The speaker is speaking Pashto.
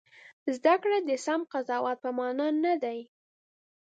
زده کړې د سم قضاوت په مانا نه دي.